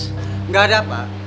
tidak ada pak